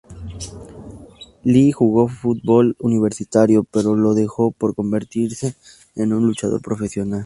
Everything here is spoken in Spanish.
Lee jugó fútbol universitario, pero lo dejó para convertirse en un luchador profesional.